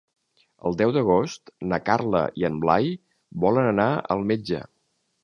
El deu d'agost na Carla i en Blai volen anar al metge.